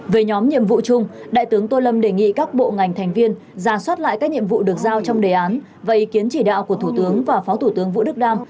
về nhóm nhiệm vụ chung đại tướng tô lâm đề nghị các bộ ngành thành viên ra soát lại các nhiệm vụ được giao trong đề án và ý kiến chỉ đạo của thủ tướng và phó thủ tướng vũ đức đam